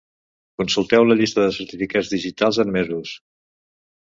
Consulteu la llista de certificats digitals admesos.